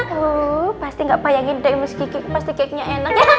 tuh pasti gak payah gede miss kiki pasti cakenya enak